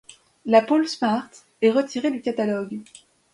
La Paul Smart est retirée du catalogue.